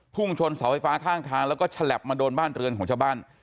ชนเสาไฟฟ้าข้างทางแล้วก็ฉลับมาโดนบ้านเรือนของชาวบ้าน